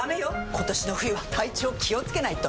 今年の冬は体調気をつけないと！